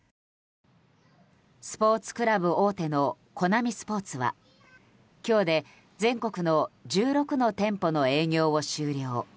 スポーツクラブ大手のコナミスポーツは今日で全国の１６の店舗の営業を終了。